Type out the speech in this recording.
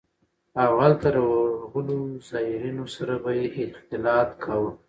او هلته له ورغلو زايرينو سره به يې اختلاط کاوه.